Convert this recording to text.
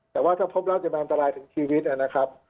แต่ว่าถ้าพบแล้วจะมันอันตรายถึงชีวิตนะครับ